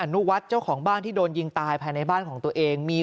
นุวัฒน์เจ้าของบ้านที่โดนยิงตายภายในบ้านของตัวเองมี